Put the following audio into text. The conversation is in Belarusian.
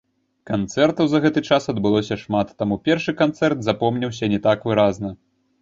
Канцэртаў за гэты час адбылося шмат, таму першы канцэрт запомніўся не так выразна.